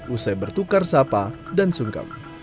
usai bertukar sapa dan sungkep